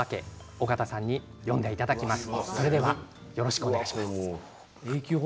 緒方さんに読んでいただきます。